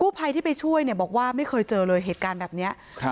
ภัยที่ไปช่วยเนี่ยบอกว่าไม่เคยเจอเลยเหตุการณ์แบบเนี้ยครับ